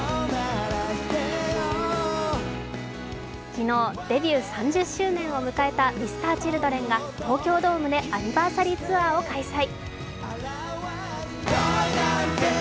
昨日デビュー３０周年を迎えたＭｒ．Ｃｈｉｌｄｒｅｎが東京ドームでアニバーサリーツアーを開催。